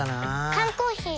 缶コーヒー